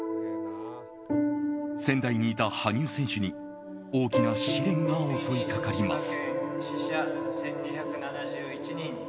仙台にいた羽生選手に大きな試練が襲いかかります。